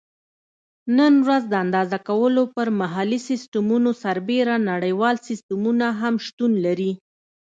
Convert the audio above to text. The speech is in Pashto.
نن ورځ د اندازه کولو پر محلي سیسټمونو سربیره نړیوال سیسټمونه هم شتون لري.